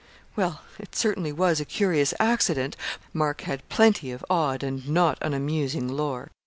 Well, it certainly was a curious accident. Mark had plenty of odd and not unamusing lore.